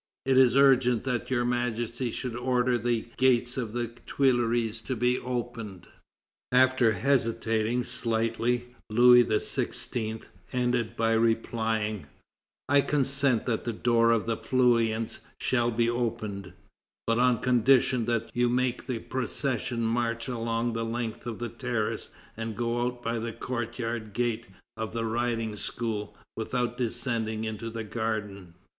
It is urgent that Your Majesty should order the gates of the Tuileries to be opened." After hesitating slightly, Louis XVI. ended by replying: "I consent that the door of the Feuillants shall be opened; but on condition that you make the procession march across the length of the terrace and go out by the courtyard gate of the Riding School, without descending into the garden."